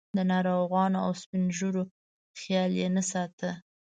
د ناروغانو او سپین ږیرو خیال یې نه ساته.